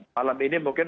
malam ini mungkin